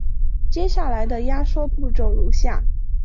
接下来的压缩步骤如下。